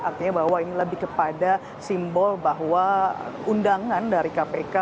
artinya bahwa ini lebih kepada simbol bahwa undangan dari kpk